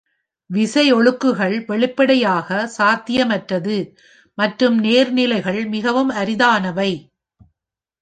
விசையொழுக்குகள் வெளிப்படையாக சாத்தியமற்றது, மற்றும் நேர்நிலைகள் மிகவும் அரிதானவை.